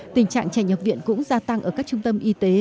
tình trạng trẻ nhập viện cũng gia tăng ở các trung tâm y tế